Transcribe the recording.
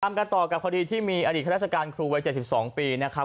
กันต่อกับคดีที่มีอดีตข้าราชการครูวัย๗๒ปีนะครับ